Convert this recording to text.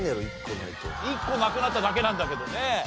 １個なくなっただけなんだけどね。